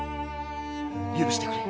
許してくれ。